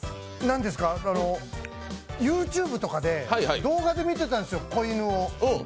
ＹｏｕＴｕｂｅとかで、動画で見てたんですよ、子犬を。